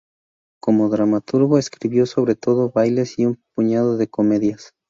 Como dramaturgo escribió sobre todo bailes y un puñado de comedias.